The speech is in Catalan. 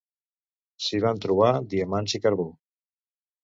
Si van trobar diamants i carbó.